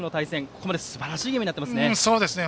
ここまですばらしいゲームになっています。